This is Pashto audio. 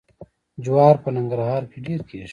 جوار په ننګرهار کې ډیر کیږي.